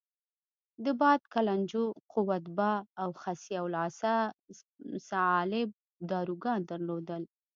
د باد کلنجو، قوت باه او خصیه الصعالب داروګان درلودل.